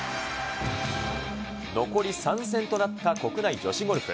残り３戦となった国内女子ゴルフ。